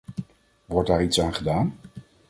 Wordt daar iets aan gedaan?